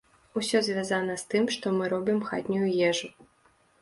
Усё звязана з тым, што мы робім хатнюю ежу.